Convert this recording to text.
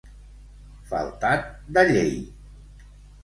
Faltat de llei.